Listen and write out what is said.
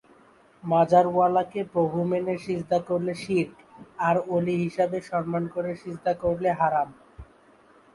মাজার ওয়ালা কে প্রভু মেনে সিজদা করলে শিরক আর অলি হিসেবে সম্মান করে সিজদা করলে হারাম।